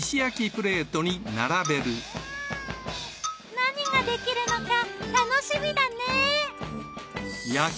何ができるのか楽しみだね！